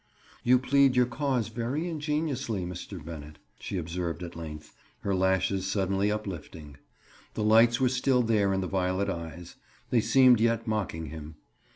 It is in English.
"You plead your cause very ingeniously, Mr. Bennett," she observed at length, her lashes suddenly uplifting. The lights were still there in the violet eyes; they seemed yet mocking him.